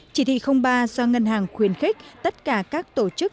chỉ thị ba do ngân hàng khuyến khích tất cả các tổ chức